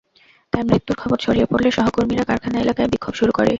তাঁর মৃত্যুর খবর ছড়িয়ে পড়লে সহকর্মীরা কারখানা এলাকায় বিক্ষোভ শুরু করে।